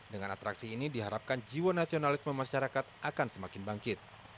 dengan atraksi ini diharapkan jiwa nasionalisme masyarakat akan semakin bangkit